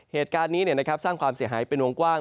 เหตุการณ์นี้สร้างความเสียหายเป็นวงกว้าง